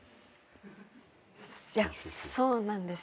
いやそうなんですよ。